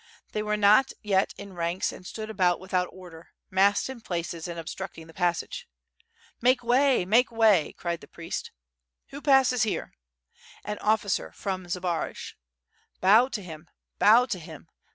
They were not yet in ranks and stood abou! without order, massed in places and obstructing the passage. Make way, make way,'' cried the priest. ''AVho passes here?" "An officer from Zbaraj." .... "Bow to him! Bow to him!"